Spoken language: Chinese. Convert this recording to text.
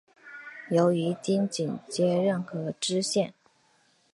由丁谨接任知县。